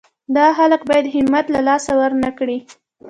دا خلک باید همت له لاسه ورنه کړي.